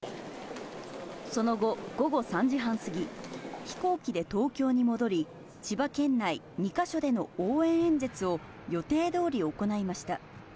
その後、午後３時半過ぎ、飛行機で東京に戻り、千葉県内２か所での応援演説を予定どおり行いました。